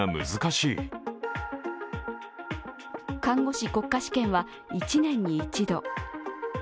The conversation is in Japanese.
看護師国家試験は１年に１度。